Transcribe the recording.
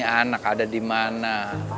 anak ada dimana